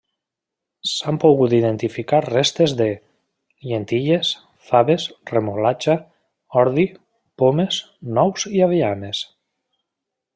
S'han pogut identificar restes de: llentilles, faves, remolatxa, ordi, pomes, nous i avellanes.